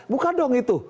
bukan dong itu